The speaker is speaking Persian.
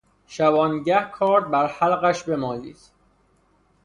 شبانگه کارد بر حلقش بمالید...